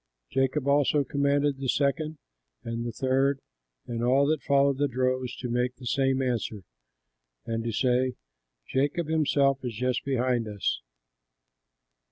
'" Jacob also commanded the second, and the third, and all that followed the droves, to make the same answer, and to say, "Jacob himself is just behind us."